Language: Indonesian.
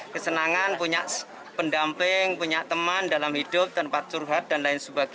kesenangan punya pendamping punya teman dalam hidup tempat curhat dan lain sebagainya